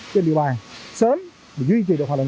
trên địa bàn sớm duy trì được hoạt động